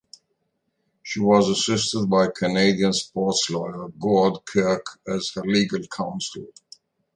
She was assisted by Canadian sports lawyer Gord Kirke as her legal counsel.